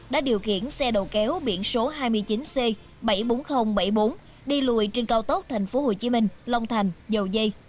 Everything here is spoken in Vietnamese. đã điều khiển xe đầu kéo biển số hai mươi chín c bảy mươi bốn nghìn bảy mươi bốn đi lùi trên cao tốc tp hcm long thành dầu dây